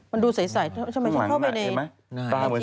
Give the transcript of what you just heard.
มันดูใสทำไมฉันเข้าไปในบ้าน